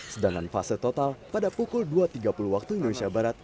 sedangkan fase total pada pukul dua tiga puluh waktu indonesia barat